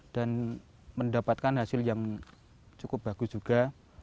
dan mendapatkan hasil yang cukup bagus juga